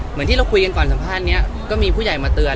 เหมือนที่เราคุยกันก่อนสัมภาษณ์นี้ก็มีผู้ใหญ่มาเตือน